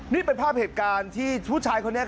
นี่เป็นภาพเหตุการณ์ที่ผู้ชายคนนี้